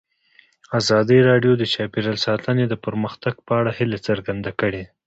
ازادي راډیو د چاپیریال ساتنه د پرمختګ په اړه هیله څرګنده کړې.